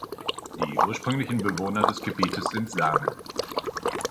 Die ursprünglichen Bewohner des Gebietes sind Samen.